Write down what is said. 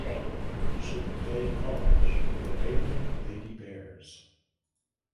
She played college for the Baylor Lady Bears.